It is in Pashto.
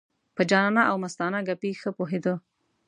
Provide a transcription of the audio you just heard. په جانانه او مستانه ګپې ښه پوهېده.